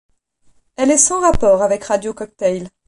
Elle est sans rapport avec Radio Cocktail.